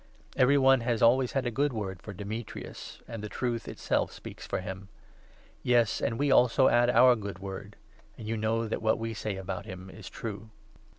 Every one 1 2 has always had a good word for Demetrius, and the Truth itself speaks for him. Yes, and we also add our good word, and you know that what we say about him is true. 492 III.